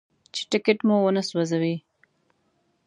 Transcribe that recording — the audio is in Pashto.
چې ټکټ مې ونه سوځوي.